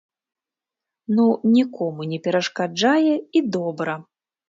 Ну, нікому не перашкаджае і добра.